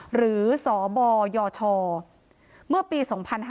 หรือสบยชเมื่อปี๒๕๕๙